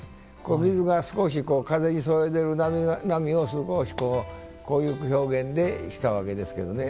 水が少し風にそよいでいる波をこういう表現でしたわけですけどね。